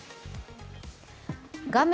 画面